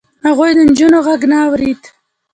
هغوی د نجونو غږ نه اورېد.